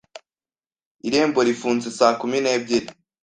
Irembo rifunze saa kumi n'ebyiri.